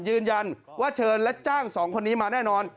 ยืนยันว่าเชิญและจ้างสองคนนี้มาแน่นอน